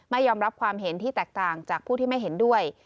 ไม่ยอมรับความเห็นที่แตกต่างจากผู้ที่ไม่เห็นด้วย